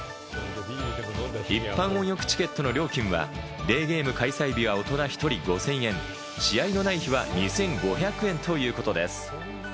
一般温浴チケットの料金はデーゲーム開催日は大人１人５０００円、試合のない日は２５００円ということです。